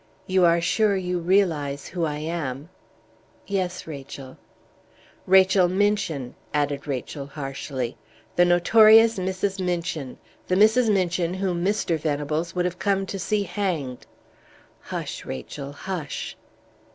"You are sure you realize who I am?" "Yes, Rachel." "Rachel Minchin!" added Rachel, harshly. "The notorious Mrs. Minchin the Mrs. Minchin whom Mr. Venables would have come to see hanged!" "Hush, Rachel, hush!"